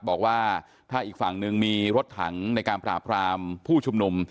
บอกว่าถ้าอีกฝั่งหนึ่งมีรถถังในการปราบรามผู้ชุมนุม